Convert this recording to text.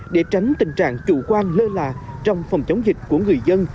để tránh tình trạng chủ quan lơ là trong phòng chống dịch của người dân